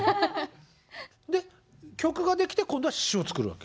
で曲ができて今度は詞を作るわけ？